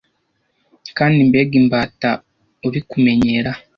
kandi mbega imbata uri kumenyera